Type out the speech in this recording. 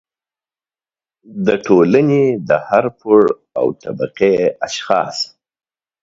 د ټولنې د هر پوړ او طبقې اشخاص